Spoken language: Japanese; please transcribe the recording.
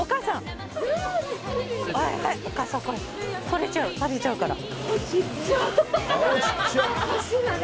垂れちゃうから。